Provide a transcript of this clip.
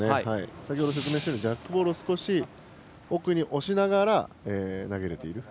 先ほど説明したようにジャックボールを少し奥に押しながら投げられている。